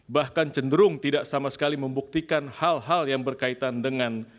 bahkan cenderung tidak sama sekali membuktikan hal hal yang berkaitan dengan